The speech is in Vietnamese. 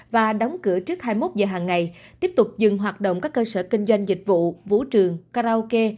và đóng cửa trước hai mươi một giờ hàng ngày tiếp tục dừng hoạt động các cơ sở kinh doanh dịch vụ vũ trường karaoke